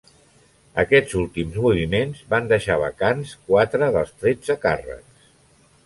Aquests últims moviments van deixar vacants quatre dels tretze càrrecs.